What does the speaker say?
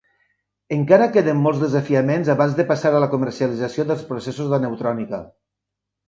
Encara queden molts desafiaments abans de passar a la comercialització dels processos d'aneutrònica.